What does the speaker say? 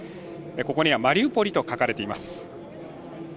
ここにはマリウポリと書かれています。